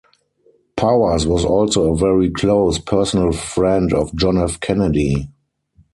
Powers was also a very close, personal friend of John F. Kennedy.